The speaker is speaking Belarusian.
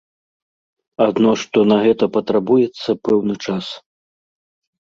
Адно што на гэта патрабуецца пэўны час.